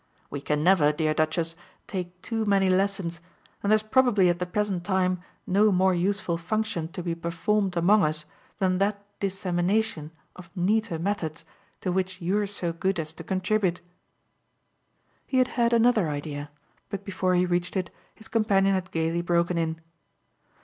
We can never, dear Duchess, take too many lessons, and there's probably at the present time no more useful function to be performed among us than that dissemination of neater methods to which you're so good as to contribute." He had had another idea, but before he reached it his companion had gaily broken in.